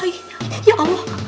aih ya allah